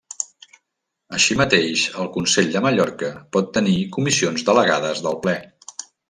Així mateix el Consell de Mallorca pot tenir comissions delegades del Ple.